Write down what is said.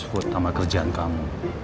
put sama kerjaan kamu